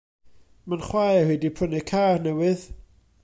Mae'n chwaer i 'di prynu car newydd.